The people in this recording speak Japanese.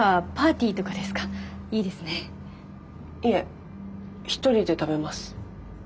いえ一人で食べます。